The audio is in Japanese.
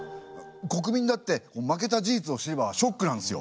国民だって負けた事実を知ればショックなんですよ。